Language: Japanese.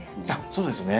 そうですね。